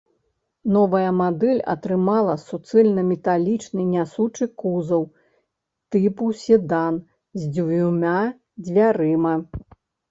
Новая мадэль атрымала суцэльнаметалічны нясучы кузаў тыпу седан з дзвюма дзвярыма.